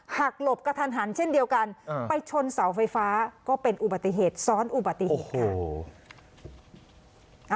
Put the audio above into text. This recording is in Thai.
หลบกระทันหันเช่นเดียวกันไปชนเสาไฟฟ้าก็เป็นอุบัติเหตุซ้อนอุบัติเหตุค่ะ